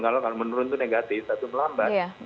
kalau menurun itu negatif atau melambat